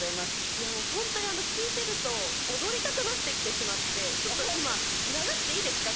いやもう、本当に聴いてると、踊りたくなってきてしまって、ちょっと今、流していいですか？